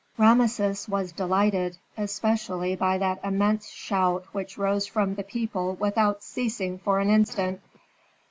Rameses was delighted, especially by that immense shout which rose from the people without ceasing for an instant.